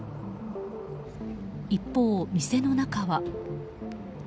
一方、店の中は。